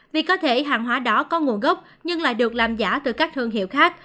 vì có thể hàng hóa đó có nguồn gốc nhưng lại được làm giả từ các thương hiệu khác